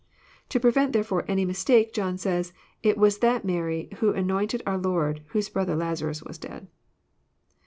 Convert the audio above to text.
To prevent, therefore, any mistake, John says,'' It was that Mary who anoint ed our Lord, whose brother Lazarus was dead."